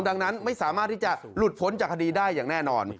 ดังนั้นไม่สามารถที่จะหลุดพ้นจากคดีได้อย่างแน่นอน